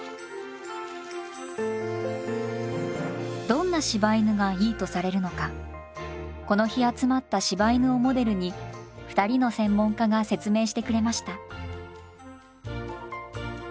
どんな柴犬がいいとされるのかこの日集まった柴犬をモデルに２人の専門家が説明してくれました。